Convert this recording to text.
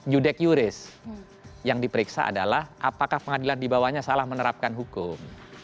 yudek yuris yang diperiksa adalah apakah pengadilan di bawahnya salah menerapkan hukum